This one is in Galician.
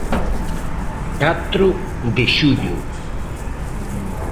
Catro de xullo.